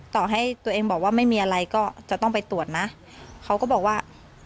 ต่อให้ตัวเองบอกว่าไม่มีอะไรก็จะต้องไปตรวจนะเขาก็บอกว่า